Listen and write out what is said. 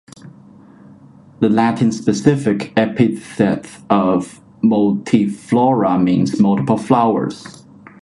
The Latin specific epithet of "multiflora" means multiple flowers.